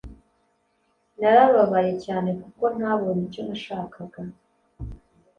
narababaye cyane kuko ntabonye icyo nashakaga